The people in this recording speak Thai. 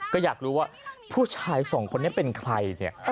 ก็อยากรู้ว่าผู้ชายสองคนนี้เป็นใครเนี่ย